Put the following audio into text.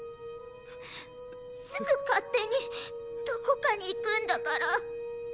すぐかってにどこかにいくんだから！